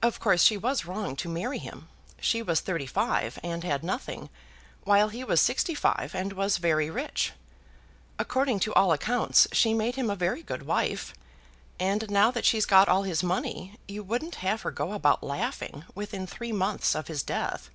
Of course she was wrong to marry him. She was thirty five, and had nothing, while he was sixty five, and was very rich. According to all accounts she made him a very good wife, and now that she's got all his money, you wouldn't have her go about laughing within three months of his death."